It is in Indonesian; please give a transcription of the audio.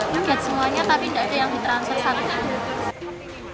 lihat semuanya tapi tidak ada yang ditransfer satu satu